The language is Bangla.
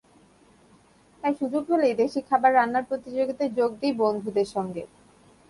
তাই সুযোগ হলেই দেশি খাবার রান্নার প্রতিযোগিতায় যোগ দিই বন্ধুদের সঙ্গে।